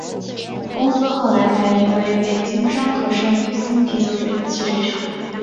公司后来改名北京双合盛五星啤酒汽水厂。